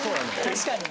確かに。